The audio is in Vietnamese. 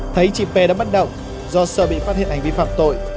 thấy chị p đã bất động do sợ bị phát hiện hành vi phạm tội